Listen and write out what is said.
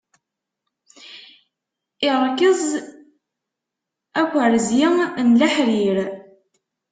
Iṛkez akwerzi n leḥrir.